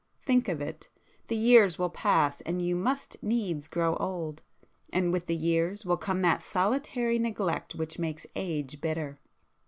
Think of it!—the years will pass, and you must needs grow old,—and with the years will come that solitary neglect which makes age bitter.